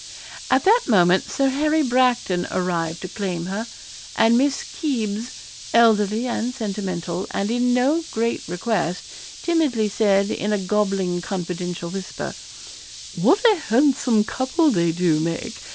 At that moment Sir Harry Bracton arrived to claim her, and Miss Kybes elderly and sentimental, and in no great request timidly said, in a gobbling, confidential whisper 'What a handsome couple they do make!